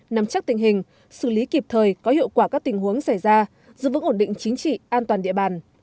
nắm chắc tình hình xử lý kịp thời có hiệu quả các tình huống xảy ra giữ vững ổn định chính trị an toàn địa bàn